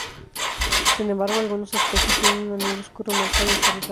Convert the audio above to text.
Sin embargo, algunas especies tienen un anillo oscuro marcado en su lugar.